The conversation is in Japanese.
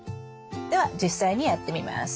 では実際にやってみます。